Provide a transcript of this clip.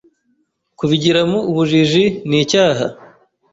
Kubigiramo ubujiji ni icyaha.